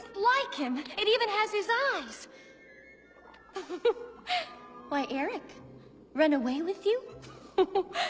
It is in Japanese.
フフフ。